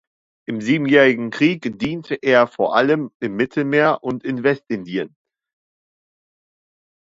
Im Siebenjährigen Krieg diente er vor allem im Mittelmeer und in Westindien.